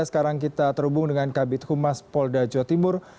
sekarang kita terhubung dengan kabit humas polda jawa timur